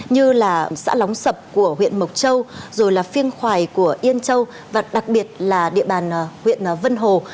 như là xã lóng sập của huyện mộc châu rồi là phiêng khoài của yên châu và đặc biệt là địa bàn huyện vân hồ